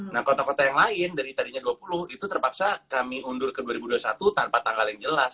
nah kota kota yang lain dari tadinya dua puluh itu terpaksa kami undur ke dua ribu dua puluh satu tanpa tanggal yang jelas